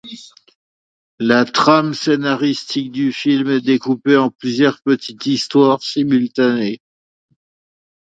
La trame scénaristique du film est découpée en plusieurs petites histoires simultanées.